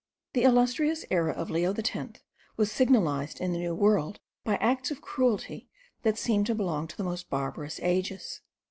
The illustrious era of Leo X was signalized in the New World by acts of cruelty that seemed to belong to the most barbarous ages.